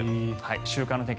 週間の天気